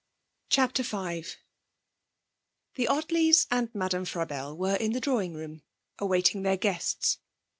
CHAPTER V The Ottleys and Madame Frabelle were in the drawing room awaiting their guests.